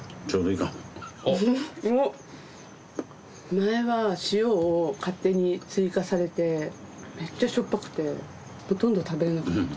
前は塩を勝手に追加されてめっちゃしょっぱくてほとんど食べられなかった。